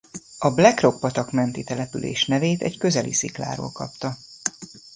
A Blackrock-patak menti település nevét egy közeli szikláról kapta.